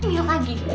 tuh mil lagi